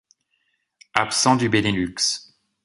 Absent du Benelux.